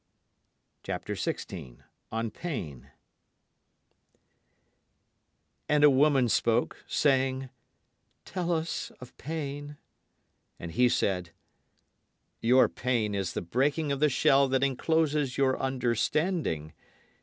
And a woman spoke, saying, Tell us of Pain. And he said: Your pain is the breaking of the shell that encloses your understanding.